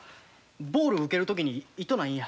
ボール受ける時に痛ないんや。